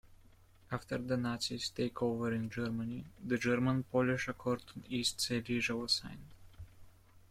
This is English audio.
After the Nazis' takeover in Germany, the "German-Polish Accord on East Silesia" was signed.